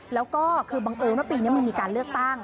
แล้วก็คือบังเอิญว่าปีนี้มันมีการเลือกตั้ง